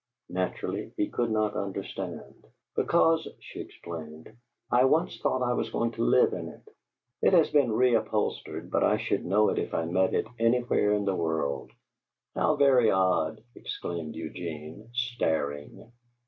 Naturally he could not understand. "Because," she explained, "I once thought I was going to live in it. It has been reupholstered, but I should know it if I met in anywhere in the world!" "How very odd!" exclaimed Eugene, staring.